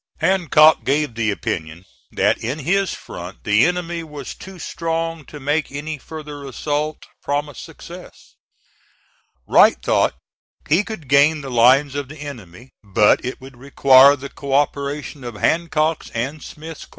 Hancock gave the opinion that in his front the enemy was too strong to make any further assault promise success. Wright thought he could gain the lines of the enemy, but it would require the cooperation of Hancock's and Smith's corps.